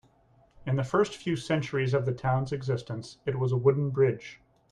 In the first few centuries of the town's existence, it was a wooden bridge.